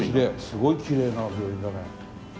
すごいきれいな病院だね